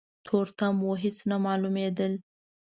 تورتم و هيڅ نه مالومېدل.